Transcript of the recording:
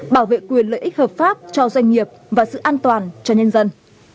bảo vệ quyền lợi ích hợp pháp cho doanh nghiệp và sự an toàn cho nhân dân